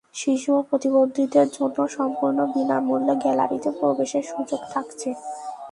শিশু এবং প্রতিবন্ধীদের জন্য সম্পূর্ণ বিনা মূল্যে গ্যালারিতে প্রবেশের সুযোগ থাকছে।